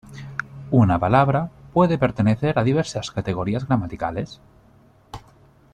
Una palabra puede pertenecer a diversas categorías gramaticales.